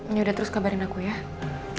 ini udah terus kabarin aku ya